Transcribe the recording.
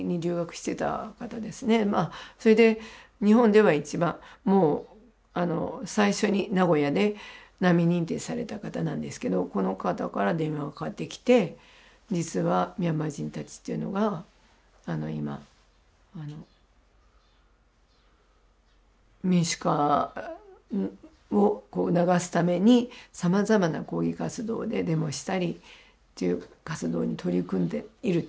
それで日本では一番最初に名古屋で難民認定された方なんですけどこの方から電話がかかってきて実はミャンマー人たちっていうのが今民主化を促すためにさまざまな抗議活動でデモしたりっていう活動に取り組んでいると。